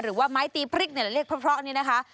หรือว่าไม้ตีพริกเนี่ยเรียกเพราะนี่นะคะ